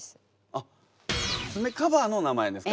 あっ爪カバーの名前ですか。